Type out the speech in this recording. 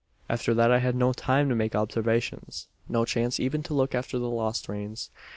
"After that I had no time to make observations no chance even to look after the lost reins.